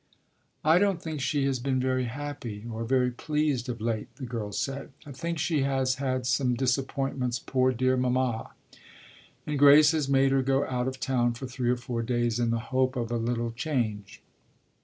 "I don't think she has been very happy or very pleased of late," the girl said. "I think she has had some disappointments, poor dear mamma; and Grace has made her go out of town for three or four days in the hope of a little change.